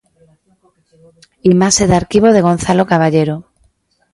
Imaxe de arquivo de Gonzalo Caballero.